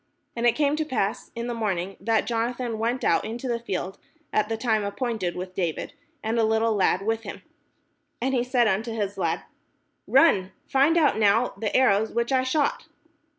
And it came to pass in the morning, that Jonathan went out into the field at the time appointed with David, 558 THE SHEPHERD BOY WHO BECAME KING and a little lad with him. And he said unto his lad, "Run, find out now the arrows which I shoot."